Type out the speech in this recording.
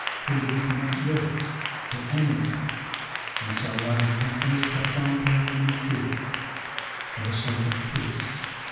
Treaties meant little to any of them, and so other countries kept on paying them tribute for the sake of peace.